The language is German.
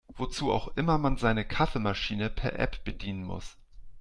Wozu auch immer man seine Kaffeemaschine per App bedienen muss.